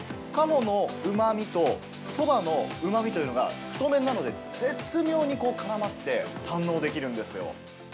鴨のうまみとそばのうまみというのが、太麺なので、絶妙にからまって、堪能できるんですよ。